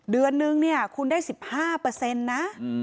เดือนนึงเนี่ยคุณได้๑๕นะ